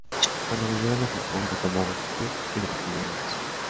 Cuando volvieron a Japón, retomaron su tour y lo concluyeron en marzo.